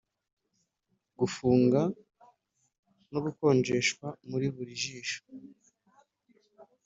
gufunga no gukonjeshwa muri buri jisho.